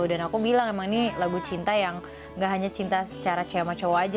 dan aku bilang emang ini lagu cinta yang gak hanya cinta secara cewek cewek aja